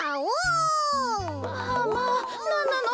まあまあなんなの？